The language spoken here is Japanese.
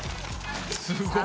すごい。